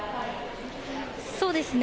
そうですね。